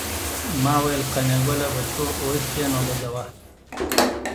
ما ویل قانع ګله بچو اوس یې نو ګزوه.